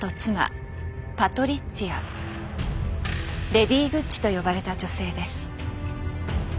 レディー・グッチと呼ばれた女性です。